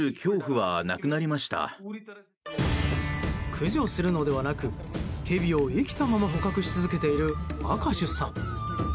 駆除するのではなくヘビを生きたまま捕獲し続けているアカシュさん。